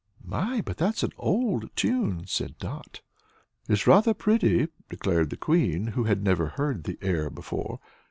"My! But that's an old tune," said Dot. "It's rather pretty," declared the Queen, who had never heard the air before.